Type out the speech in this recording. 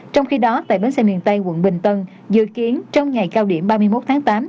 trong khi đó tại bến xe miền tây quận bình tân dự kiến trong ngày cao điểm ba mươi một tháng tám